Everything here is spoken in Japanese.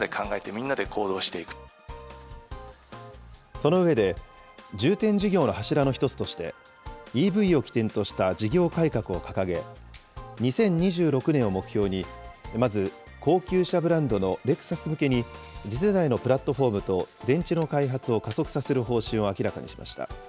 その上で、重点事業の柱の一つとして、ＥＶを起点とした事業改革を掲げ、２０２６年を目標に、まず、高級車ブランドのレクサス向けに、次世代のプラットフォームと、電池の開発を加速させる方針を明らかにしました。